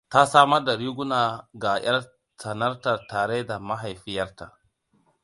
Ta samar da riguna ga yar tsanarta tare da mahaifiyarta.